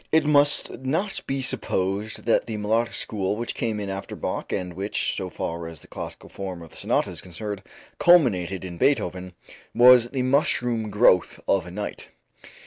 It must not be supposed that the melodic school which came in after Bach and which, so far as the classical form of the sonata is concerned, culminated in Beethoven, was the mushroom growth of a night.